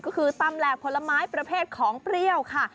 ก็คือตำแหลกผลไม้ประเภทของเปรี้ยวค่ะ